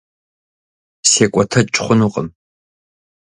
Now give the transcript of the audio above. Секӏуэтэкӏ хъунукъым.